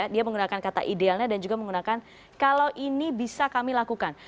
dia menggunakan kata idealnya dan juga menggunakan kalau ini bisa kami lakukan